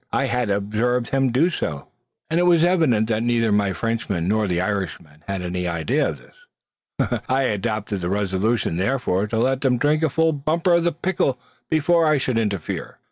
I had observed him do so, and it was evident that neither my Frenchman nor the Irishman had any idea of this. I adopted the resolution, therefore, to let them drink a full bumper of the "pickle" before I should interfere.